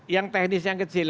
yang teknis yang kecil